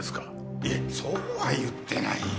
いやそうは言ってないよ。